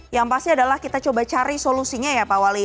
yang pasti adalah kita coba cari solusinya ya pak wali